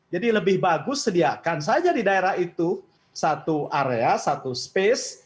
jadi lebih bagus sediakan saja di daerah itu satu area satu ruang